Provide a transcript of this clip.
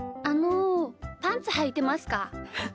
あのパンツはいてますか？